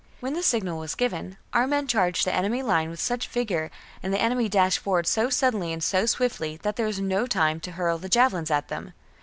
^ When the signal was given, our men charged the enemy with such vigour, and the enemy dashed forward so suddenly and so swiftly that there was no time to hurl the javelins at them.